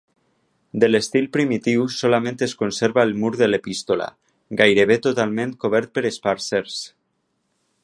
De l'estil primitiu solament es conserva el mur de l'epístola gairebé totalment cobert per esbarzers.